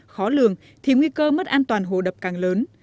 khó lường thì nguy cơ mất an toàn hồ đập càng lớn